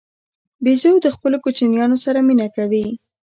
بیزو د خپلو کوچنیانو سره مینه کوي.